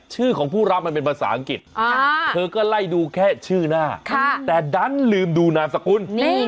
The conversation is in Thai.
ชื่อของผู้รับมันเป็นภาษาอังกฤษเธอก็ไล่ดูแค่ชื่อหน้าแต่ดันลืมดูนามสกุล